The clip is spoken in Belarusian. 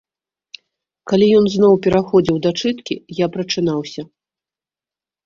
Калі ён зноў пераходзіў да чыткі, я прачынаўся.